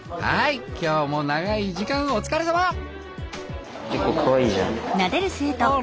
はい今日も長い時間お疲れさま！